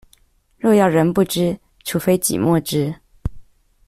若要人不知，除非擠墨汁